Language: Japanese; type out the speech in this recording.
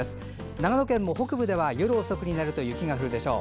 長野県も北部では夜遅くになると雪が降るでしょう。